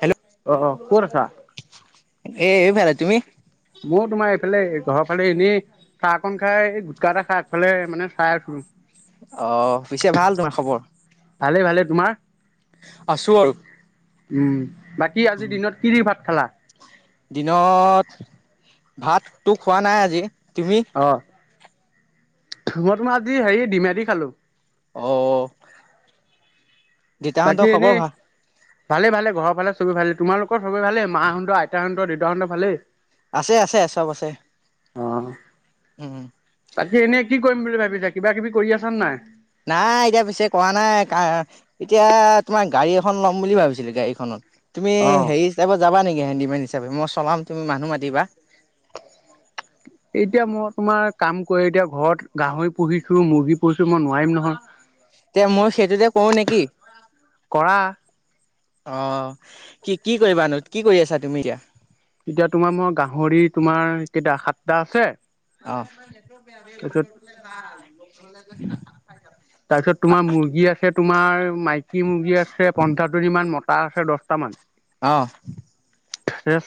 Hello, অ অ ক'ত আছা এইফালে তুমি? মোৰ তোমাৰ এইফালে, ঘৰৰ ফালে এনে? চাহকন খাই, গুটখা এটা খাই আগফালে মানে চাই আছিলোঁ। অ', পিছে ভাল তোমাৰ খবৰ? ভালেই, ভালেই তোমাৰ? আছোঁ আৰু। বাকী আজিৰ দিনত কি দি ভাত খালা? দিনত ভাতটো খোৱা নাই আজি। তুমি? অ', মই তোমাৰ আজি হেৰি ডিমে দি খালো। অ'। দেউতাহঁতৰ বাকী খবৰ এনে। ভাল ভালে, ভালে ঘৰৰ ফালে চবৰে ভালে, তোমালোকৰ চবৰে ভালে, মাহঁতৰ, আইতাহঁতৰ, দেউতাহঁতৰ ভালে? আছে, আছে, চব আছে। অ'। উম। বাকী এনে কি কৰিম বুলি ভাবিছো! কিবা কিবি কৰি আছা নে নাই? নাই! এতিয়া পিছে কৰা নাই? এতিয়া, তোমাৰ গাড়ী এখন ল'ম বুলি ভাবিছিলো, গাড়ীখনত। তুমি অ হেৰি হিচাপত যাবা নেকি? হেণ্ডিমেন হিচাপে মই চলাম, তুমি মানুহ মাতিবা। এতিয়া, মই তোমাৰ কাম কৰি এতিয়া ঘৰত গাহৰি পুহি ছোঁ মুৰ্গী পূহিছো মই নোৱাৰিম নহয়। তে মই সেইটোতে কৰো নেকি? কৰা। অ', কি কি কৰিবা নো? কি কৰি আছা তুমি এতিয়া? তেতিয়া তোমাৰ মই গাহৰি তোমাৰ কেইটা সাতটা আছে। অ', তাৰপিছত [unintelligible] তাৰপিছত তোমাৰ মুৰ্গী আছে তোমাৰ মাইকী মুৰ্গী আছে পন্ঞ্চাছ জনী মান, মতা আছে দহটা মান। অ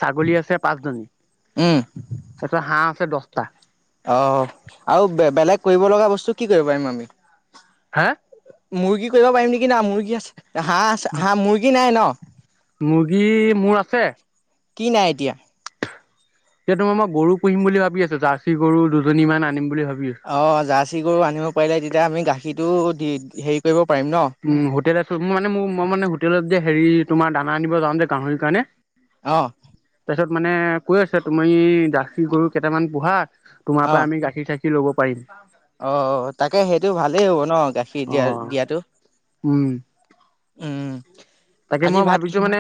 ছাগলী আছে পাঁচজনী। উম তাৰপিছত হাঁহ আছে দচটা। অ', আৰু বেলেগ কৰিব লগা বস্তু কি কৰিব পাৰিম আমি! হা? মুৰ্গী কৰিব পাৰিম নেকি না মুৰ্গী আছে হাঁহ আছে হা মুৰ্গী নাই ন'? মুৰ্গী মোৰ আছে। কি নাই এতিয়া? এতিয়া তোাৰ মই গৰু পুহিম বুলি ভাবি আছো জাৰ্চী গৰু দুজনী মমান আনিম বুলি ভাবি আছো। অ', জাৰ্চী গৰু আনিব পাৰিলে তেতিয়া আমি গাখীৰটো দি হেৰি কৰিব পাৰিম ন'! উম, হোটেল আছো মোৰ মানে মোৰ মই মানে হোটেলত যে, হেৰি তোমাৰ দানা আনিব যাওঁ যে গাহৰিৰ কাৰণে। অহ। তাৰপিছত মানে কৈ আছে তুমি জাৰ্চী গৰু কেইটামান পোহা। তোমাৰ অ' পৰাই আমি গাখীৰ-চাখীৰ ল'ব পাৰিম। অ', তাকে সেইটো ভালেই হ'ব ন' গাখীৰ অ দিয়া দিয়াতো। উম উম। তাকে আজি মই ভাত কি ভাবিছোঁ মানে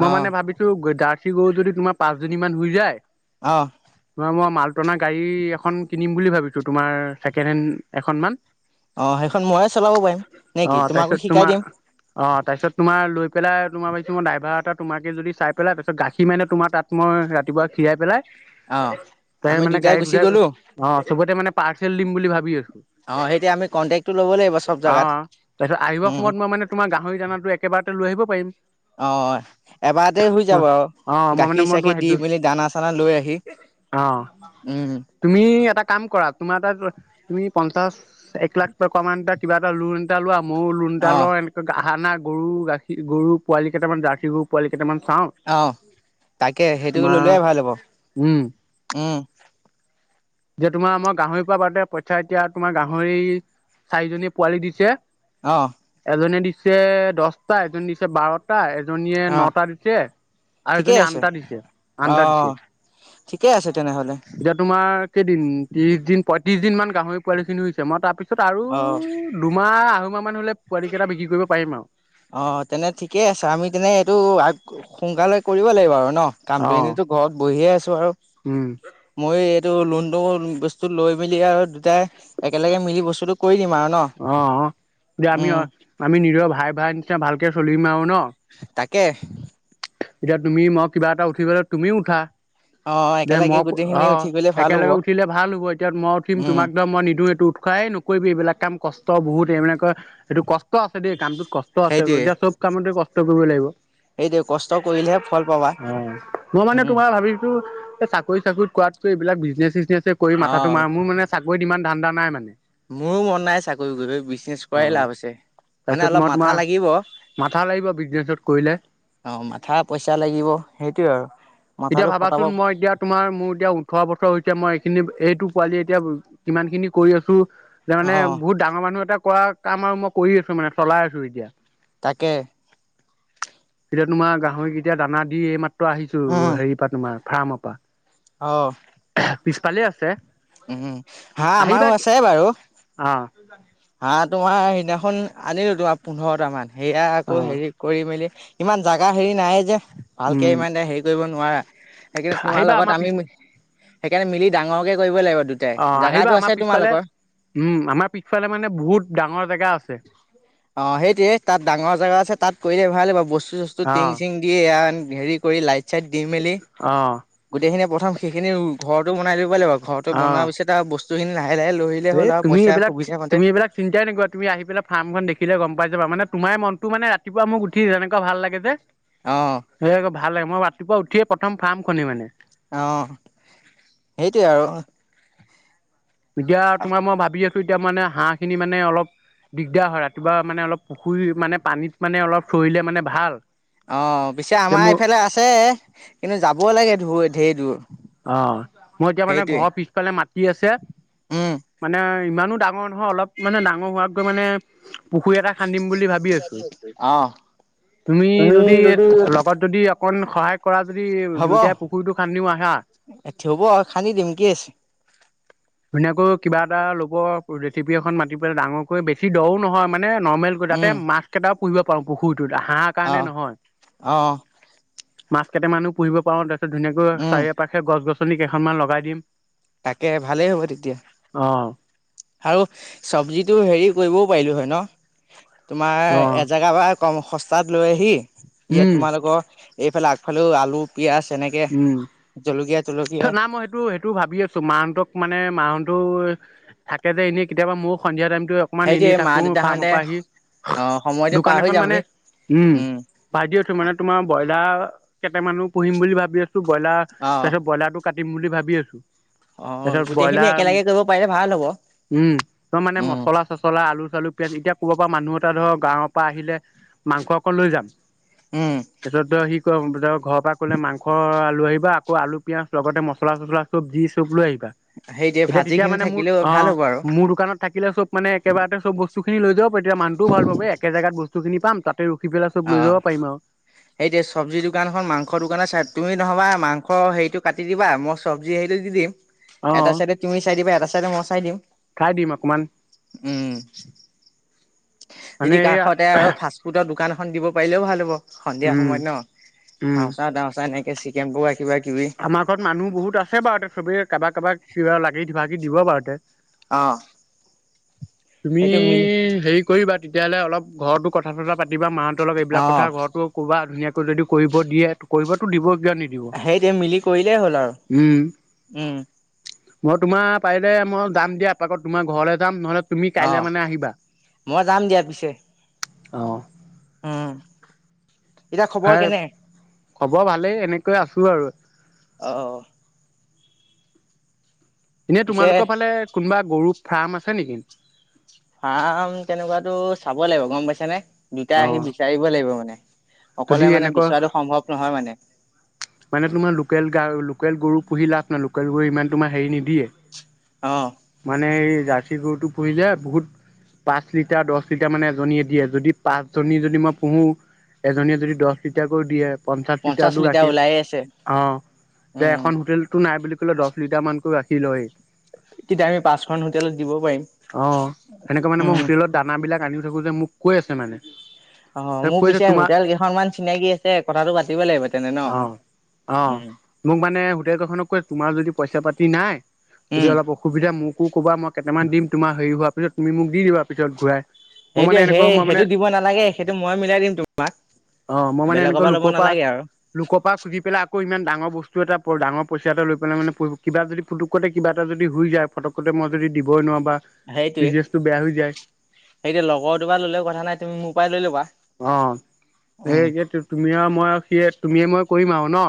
মই অ' মানে ভাবিছোঁ জাৰ্চী গৰু যদি তোমাৰ পাঁচজনীমান হৈ যায়। অহ। তোমাৰ মই মালটনা গাড়ী এখন কিনিম বুলি ভাবিছো তোমাৰ ছেকেণ্ড হেড এখনমান। অ', সেইখন ময়ে চলাব পাৰিম নে অ কি? তাৰপিছত তোমাকো শিকাই তোমাৰ দিম। অ', তাৰপিছত তোমাৰ লৈ পেলায় তোমাৰ ভাবিছোঁ মই ড্ৰাইভাৰ এটা তোমাকে যদি চাই পেলাই তাৰপিছত গাখীৰ মানে তোমাৰ তাত মই ৰাতিপুৱা খীৰাই পেলাই অ' আমি তাৰপিছত মানে দুটাই গাড়ীত গুচি উঠাই গ'লো অ', চবতে মানে পাৰ্চেল দিম বুলি ভাবি আছো। অ' সেইতিয়া আমি কন্টেক্টটো ল'ব লাগিব চব জেগাত অ', তাৰপিছত আহিবো উম সময়ত মই মানে তোমাৰ গাহৰি দানাতো লৈ আহিব পাৰিম। অ', এবাৰতে হৈ মই যাব অ আৰু। মই মানে মই তোমাৰ গাখীৰ-চাখিৰ দি সেইটো মেলি, দানা-চানা লৈ আহি অ উম। তুমি এটা কাম কৰা, তোমাৰ তাত তুমি পঞ্চাশ এক লাখ টকা মান ত কিবা এটা লোন এটা লোৱা মইও লোন এটা অ' লওঁ এনেকে [unintelligible] গৰু গাখীৰ গৰু পোৱালি কেইটামান জাৰ্চী গৰু পোৱালি কেইটামান চাওঁ। অ', তাকে সেইটো তোমাৰ ল'লে ভাল হ'ব উম উম। যে তোমাৰ আমাৰ গাহৰিৰ পৰা বাতে পইচা এতিয়া তোমাৰ গাহৰি চাৰিজনী পোৱালি দিছে। অহ। এজনে দিছে দছটা এজন দিছে বাৰ টা, এজনীয়ে অ নটা দিছে আৰু ঠিকেই এজনী আছে আনটা দিছে আনটা দিছে। ঠিকেই আছে তেনেহ'লে। এতিয়া তোমাৰ কেইদিন ত্ৰিশ দিন পইয়ত্ৰিশ দিন মান গাহৰি পোৱালি খিনি হৈছে মই তাৰ পিছত আৰু অ ও দুমাহ আঢ় মাহ মান হ'লে পোৱালিকেইটা বিক্ৰী কৰিব পাৰিম আও। অ তেনে ঠিকে আছে আমি তেনে এইটো সোনকালে কৰিব লাগিব আৰু ন। অ কামটো এনেতো ঘৰত বহিয়ে আছো আৰু। উম। মই এইটো লোনটো বস্তু লৈ মেলি আৰু দুটাই একেলগে মিলি বস্তুটো কৰি দিম আৰু ন, অ অ যে আমি উম। আমি নিজৰ ভাই ভাই নিচিনা ভালকে চলিম আও ন। তাকে। এতিয়া তুমি মই কিবা এটা উঠিবলৈ তুমিও উঠা অ যে একেলগে মই, গোটেইখিনি অ। উঠি গলে ভাল হ'ব একেলগে উঠিলে ভাল হ'ব এতিয়া মই উঠিম উম তোমাক ধম মই নিদোৱে টোত খোৱাই নোক কৰিবি এইবিলাক কাম কষ্ট বহুত এইবিলাকৰ সেইটো কষ্ট আছে দেই কামটোত কষ্ট আছে সেইটোৱে এতিয়া চব কামতে কষ্ট কৰিব লাগিব। সেই দে কষ্ট কৰিলেহে ফল পাবা অ মই মানে উম তোমাৰ ভাবিছো চাকৰি চাকৰিত কোৱাতকৈ এইবিলাক বিজনেচ চিজনেচ কৰি মাথাটো অ মো মোৰ মানে চাকৰিত ইমান ধান্দা নাই মানে। মোৰো মন নাই চাকৰি কৰিবলৈ বিজনেছ কৰাই লাভ আছে। মানে তাছত অলপ মই মাথা তোমাৰ লাগিব মাথা লাগিব বিজনেছত কৰিলে। অ মাথা পইচা লাগিব সেইটোয়ে আৰু। এতিয়া মাথাটো খটাব ভাবাচোন অ মই এতিয়াত তোমাৰ মোৰ এতিয়া ওঠৰ বছৰ হৈছে মই এইখিনি এইটো পোৱালি এতিয়া কিমানখিনি কৰি আছো। যে মানে বহুত ডাঙৰ মানুহ এটা কৰা কাম আৰু মই কৰি আছো মানে চলাই আছো এতিয়া। তাকে। এতিয়া তোমাৰ গাহৰিক এতিয়া দানা দি এই মাত্ৰ আহিছো উম ৰ দি পা তোমাৰ ফাৰ্মৰ পা। অ। পিছফালে আছে। উম হাহ আমাৰো আছে বাৰু। অহ। হাহ তোমাৰ সেইদিনাখন আনিলো তোমাৰ পোন্ধৰটা মান সেয়া আকৌ অ' হেৰি কৰি মেলি ইমান জাগা হেৰি নাই যে ভালকে উম, ইমান এটা হেৰি কৰিব নোৱাৰা। সেইকাৰণে তোমাৰ আহিবা আমাৰ লগত আমি পিছ সেইকাৰণে মিলি ডাঙৰকে কৰিব লাগিব। দু টাই অ আহিবা জাগাটো আমাৰ আছে পিছফালে তোমালোকৰ? উম আমাৰ পিছফালে মানে বহুত ডাঙৰ জেগা আছে। অ সেইটোয়ে তাত ডাঙৰ জেগা আছে তাত কৰিলে ভাল বস্তু চস্তু অ টং চিং কি আন হেৰী কৰি লাইট চাইট দি মেলি। অ গোটেইখিনি প্ৰথম সেইখিনি ঘৰতো বনাই লৌব লাগিব ঘৰতো অ বনোৱাৰ পিছত আও বস্তু খিনি লাহে লাহে লৈ আহিলে এই হ'ল আৰু তুমি পইচা এইবিলাক সুবিধা মতে তুমি এইবিলাক চিন্তাই নকৰিবা তুমি আহি পেলাই ফাৰ্মখন দেখিলে গম পাই যাবা মানে তোমাৰেই মনটো মানে ৰাতিপুৱা মোক উঠি তেনেকুৱা ভাল লাগে যে অ। সেয়াই গৈ ভাল লাগে মই ৰাতিপুৱা উঠিয়ে প্ৰথম ফাৰ্মখনি মানে অ এইটোৱেই আৰু এতিয়া তোমাৰ মই ভাবি আছো এতিয়া মানে হাঁহখিনি মানে অলপ দিগদাৰ হয় ৰাতিপুৱা মানে অলপ পুখুৰী মানে পানীত মানে অলপ চৰিলে মানে ভাল অঁ পিছে যে আমাৰ মোৰ এইফালে আছে কিন্তু যাবই লাগে দুবৰিত ঢেৰ দূৰ অ মই এতিয়া মানে সেইটোৱে ঘৰৰ পিছফালে মাটি আছে উম মানে ইমানো ডাঙৰ নহয় অলপ মানে ডাঙৰ হোৱাত গৈ মানে পুখুৰী এটা খান্দিম বুলি ভাবি আছো অ তুমি যদি [unintelligible] কৰত যদি অকণ সহায় কৰা যদি দুয়োটাই পুখুৰীটো খান্দিও আহা এ থে হ'ব খান্দি দিম কি আছে। ধুনীয়াকৈ কিবা এটা ল'ব জেচিপি এখন মাতি পেলাই ডাঙৰকৈ বেছি দও নহয় মানে নৰ্মেল তাতে উম মাছ কেইটাও পুহিব পাৰো পুখুৰীটোত হাঁহৰ অ কাৰণে নহয় অ মাছ কেইটামানো পুহিব পাৰো তাৰপিছত ধুনীয়াকৈ উম চাৰিওপাশে গছ গছনি কেইখনমান লগাই দিম। তাকেই ভালেই হ'ব তেতিয়া। অ আৰু চব্জিটো হেৰিও কৰিবও পাৰিলোঁ হয় ন তোমাৰ অ এজেগা পৰা কম সস্তাত লৈ আহি ইয়াত উম তোমালোকৰ এইফালে আগফালেও আলু পিঁয়াজ এনেকে উম। জলকীয়া তলকীয়া নাই মই হেটো তো ভাবি আছো মানুহটোক মানে মানুহটো থাকে যে এনেই কেতিয়াবা মোৰ সন্ধিয়া টাইমতো অকমান এনেই সেইটোৱে মা থাকো ফাৰ্মৰ দেউতাহঁতে পৰা আহি অ সময়টো দোকান পাৰ হৈ এখন যাম মানে উম ভাইটিয়েটো মানে তোমাৰ ব্ৰইলাৰ কেইটামানো পুহিম বুলি ভাবি আছো ব্ৰইলাৰ অ তাৰপিছত ব্ৰইলাৰটো কাটিম বুলি ভাবি আছো অ তাৰপিছত গোটেইখিনি ব্ৰইলাৰ একেলগে কৰিব পাৰিলে ভাল হ'ব উম তই মানে উম মছলা চচলা আলু চালু পিয়াঁজ এতিয়া কৰবাৰ পৰা মানুহ এটা ধৰ গাঁৱৰ পৰা আহিলে মাংস অকল লৈ যাম। উম তাৰপিছত সি ক বজাৰৰ ঘৰ পৰা কলে মাংস কাখৰ আ লৈ আহিবা আকৌ আলু, পিঁয়াজ লগতে মছলা-চচলা চব যি চব লৈ আহিবা। সেইটোৱে এতিয়া ভাজি তেতিয়া খিনি মানে মোৰ থাকিলেও অ ভাল হ'ব আৰু মোৰ দোকানত থাকিলে চব মানে একেবাৰেতে চববস্তুিনি লৈ যাব তেতিয়া মানটো ভাল পাব একে জেগাত বস্তুখিনি পাম তাত ত ৰখি পেলা চব লৈ যাব পাৰিম আৰু সেইটো চব্জি দোকানখনন মাংসৰ দোকানে চাই তুমি নহবা মাংসৰ হেৰিটো কাটি দিবা মই চব্জি হেটো দি দিম এটা অ', চাইডে তুমি চাই দিবা এটা চাইডে মই চাই দিম। খাই দিম অকমান উ'ম মানে যদি এইয়া কাষতে আৰু ফচ তোৰতৰ দোকান এখন দিব পাৰিলেও ভাল হ'ব সন্ধিয়া উম, সময়ত ন উম, চাওচা- তাওচা এনেকে কেঁচি কেম্পু ৰাখিবা কিবা কিবি আমাৰ ঘৰত মানুহ বহুত আছে বাৰুতে চবেই কাবাক কাবাক কিবা লাগিিবাকি দিব বাৰু তয়াতে অ' তুমি সেইটো মিলি হেৰি কৰিবা তেতিয়াহ'লে অলপ ঘৰতো কথা- চতা পাতিবা মাহঁত অলপ অ এইবিলাক কথা ঘৰতো কবা ধুনীয়াকৈ যদি কৰিব দিয়ে কৰিবটো দিব কিয় নিদিব সেইটোয়ে মিলি কৰিলেই হ'ল উম, আৰু--উ'ম মই তোমাৰ পাৰিলে মই যাম দিয়াপাকত তোমাৰ ঘৰলৈ যাম নহলে তুমি অ কাইলে মানে আহিবা। মই যাম দিয়া পিছে অ' উ'ম, এতিয়া খবৰ হেই কেনে? খবৰ ভালেই এনেকৈ আছো আৰু অ' এনেই পিছে তোমালোকৰ ফালে কোনোবা গৰু ফাৰ্ম আছে নিকি? ফাৰ্ম তেনেকুৱাতো চাব লাগিব গম পাইছা নে দুটা আহি অ', বিচাৰিব লাগিব মানে। যদি অকলে মানে এনেকুৱা বিচৰাটো সম্ভৱ নহয় মানে। মানে তোমাৰ লোকেল গা লোকেল গৰু পুহি লাভ নাই লোকেল গৰু ইমান তোমাৰ হেৰি নিদিয়ে অ' মানে এই জাৰ্চী গৰুটো পুহিলে বহুত পাঁচ লিটাৰ-দহ লিটাৰ মানে এজনীয়ে দিয়ে যদি পাঁচজনী যদি মই পোহো এজনীয়ে যদি দহ লিটাৰাকৈ দিয়ে পঞ্চাশ লিটাৰ হল গাখিৰ চাই আছে। অ এ উম এখন হোটেলতো নাই বুলি কলেও দহ লিটাৰ মানকৈ গাখি লয়েই তেতিয়া আমি পাঁচখন হোটেলত দিব অ সেনেকে মানে পাৰিম মই উ'ম হোটেলত দানাবিলাক আনি থাকো যে মোক কৈ আছে মানে। অ', মোৰ কৈছে পিছে তোমাৰ হোটেল কেইখনমান চিনাকি আছে কথাটো পাতিব লাগিব। তেনে ন। অ' অ উম। মোক মানে হোটেল কেইখনে কয় তোমাৰ যদি পইচা পাতি নাই যদি উম অলপ অসুবিধা মোকো কবা মই কেইটামান দিম তোমাৰ হেৰি হোৱাৰ পিছত তুমি মোক দি দিবা পিছত ঘূৰাই। মই মানে সেইটোৱে এনেকৈ সেই মই মানে সেইটো দিব নালাগে সেইটো মই মিলাই দিম তোমাক। অ মই মানে বেলেগৰ এনেকৈ পা ল'ব লোকৰ পৰা নালাগে আৰু লোকৰ পা খুজি পেলাই আকৌ ইমান ডাঙৰ বস্তু এটা বৰ ডাঙৰ পইচা এটা লৈ পেলাই মানে কিবা যদি পুটুকতে কিবা এটা যদি হৈই যায় ফটকতে মই যদি দিবই নোৱাৰোঁ বা সেইটোৱে, বিজনেচটো বেয়া হৈ যায় সেইটো লগৰটো পৰা ললেও কথা নাই তুমি মোৰ পাই লৈ ল'বা। অ', উম। সেই তুমি আৰু মই আৰু সি তুমিয়ে মই কৰিম আৰু ন?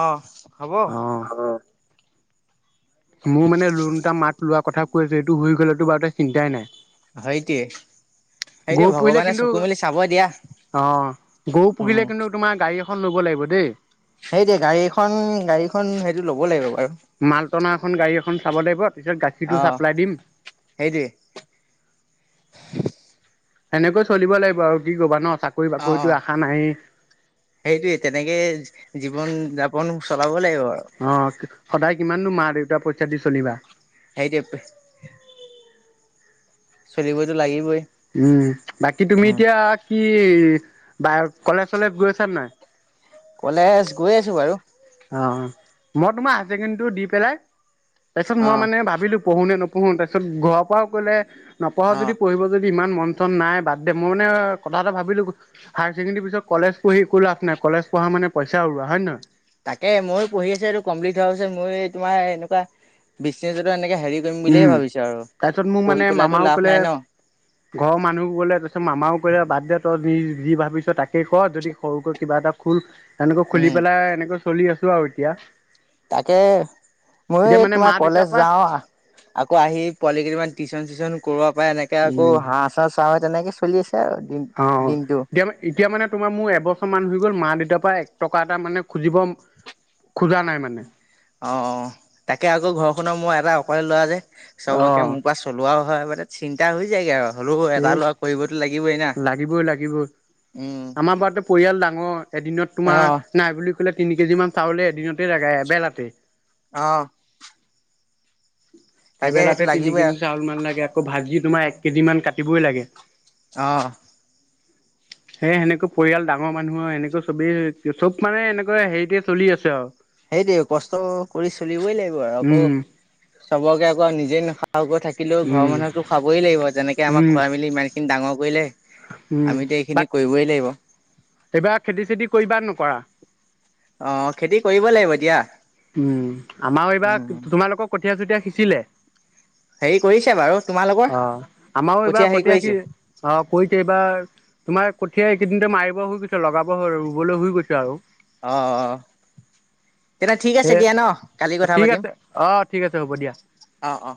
অ', হব অ মোৰ মানে লোণ এটা মাক লোৱা কথা কৈ আছো এইটো হৈ গ'লেটো বাৰু তে চিন্তাই নাই। হয় টিয়ে। গৰু পুহিলে কিন্তু দিয়া। অ গৰু উম পুহিলে কিন্তু তোমাৰ গাড়ী এখ খন ল'ব লাগিব দেই। সেইটোৱে গাড়ীখন, গাড়ীখন সেইটো ল'ব লাগিব বাৰু। মালটনা এখন গাড়ী এখন চাব লাগিব পিছত গাখীৰটো অ চাপ্লাই দিম। সেইটোৱে সেনেকৈ চলিব লাগিব আৰু কি কবা ন অ চাকৰি-বাকৰিতো আশা নাই। সেইটোৱে তেনেকে জীৱন-যাপন চলাব লাগিব আৰু। অ', সদায় কিমাননো মা-দেউতা পইচা দি চলিবা। হেইটোৱে পে চলিবইতো লাগিবই উম বাকী তুমি উম। এতিয়া কি বাই কলেজ চলেজ গৈছা নাই কলেজ গৈ আছো বাৰু অ মই তোমাৰ হায়ছেকেণ্ডীটো দি পেলাই তাৰপিছত মই অ'। মানে ভাবিলো পঢ়োনে নপঢ়ো তাৰপিছত ঘৰৰ পৰাও ক'লে নপঢ় অ যদি পঢ়িব যদি ইমান মন চন নাই বাদ দে মই মানে কথা এটা ভাবিলো হায় চেকেণ্ডেৰী পিছত কলেজ পঢ়ি একো লাভ নাই কলেজ পঢ়া মানে পইচা উৰোৱা হয় নহয় তাকে ময়ো পঢ়ি আছো এইটো কমপ্লিট হোৱাৰ পিছত মইও তোমাৰ এনুকা বিচনেছ এটা এনেকে হেৰি কৰিম বুলিয়ে উম ভাবিছো আৰু তাৰপিছত মোক পঢ়ি মানে পেলাতো মামাও লাভ ক'লে নাই ন ঘৰৰ মানুহ কলে পিছত মামাও কলে বাদ দে তই যি যি ভাবিছ তাকে কৰ যদি সৰুকৈ কিবা এটা খুল এনেকৈ খুলি উম, পেলাই এনেকৈ চলি আছো আৰু এতিয়া তাকে মইও এতিয়া এই মানে তোমাৰ মা দেউতাৰ কলেজ পৰা যাওঁ আ আকৌ আহি পোৱালি কেইটামান টিউশন চিউশন কৰোৱা পা এনেকে আকৌ উম হাঁহ চাহ চাও হে তেনেকে চলি আছে [unintelligible] অ দিনটো। এতিয়া মই এতিয়া মানে তোমাৰ মোৰ এবছৰ মান হৈ গ'ল মা দেউতাৰ পৰা এক টকা এটা মানে খুজিব খোজা নাই মানে অ তাকে আকৌ ঘৰখনৰ মই এটা অকলে ল'ৰা যে। চবকে অঁ মোৰ পৰা চলোৱাও হয় বাদে চিন্তা হৈ যায়গে আৰু। হলেও এই এটা ল'ৰা কৰিবতো লাগিবই না। লাগিবই লাগিবই উম, আমাৰ বাৰতে পৰিয়াল ডাঙৰ এদিনত তোমাৰ অ'। নাই বুলি ক'লে তিনি কেজিমান চাউলে এদিনতে লাগেই এবেলাতে। অহ। তাকে সেইটো এবেলাতে তিনি লাগিবই কেজি আৰু চাউল মান লাগে আকৌ ভাজি তোমাৰ এক কেজি মান কাটিবই লাগে। অ সেই সেনেকে পৰিয়াল ডাঙৰ মানুহৰ এনেকৈ চবেই চব মানে এনেকুৱা হেৰিতে চলি আছে আৰু। সেইটোৱে কষ্ট কৰি চলিবই লাগিব আৰু আকৌ উম চবকে আকৌ নিজে নসাকৈ থাক থাকিলেও ঘৰৰ উম মানুহকতো খাবই লাগিব যেনেকে আমাক উম খুৱাই মেলি ইমানখিনি ডাঙৰ কৰিলে আমি এতিয়া এইখিনিত কৰিবই লাগিব। এইবা খেতি চেতি কৰিবা নে নকৰা? অ খেতি কৰিব লাগিব দিয়া। উম আমাৰো এইবাৰ উম। তোমালোকক কঠীয়া চঠীয়া শিঁচিলে? হেৰি কৰিছে বাৰু তোমালোকৰ অ আমাৰও কঠীয়া এইবাৰ হেৰি কঠিয়া কি কৰিছে অ কৰিছে এইবাৰ তোমাৰ কঠীয়া এইকেইদিনতে মাৰিব হৈ গৈছে লগাব হৈ ৰুবলৈ হুই গৈছে আৰু। অ অ। তেন্তে ঠিক আছে এ দিয়া ন কালি কথা ঠিক পাতিম আছে অ', ঠিক আছে হ'ব দিয়া। অ অ।